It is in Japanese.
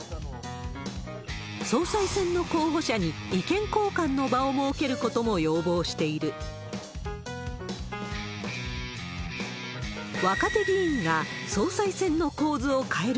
総裁選の候補者に意見交換の場を設けることも要望している。